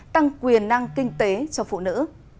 tăng quyền năng kinh tế cho phụ nữ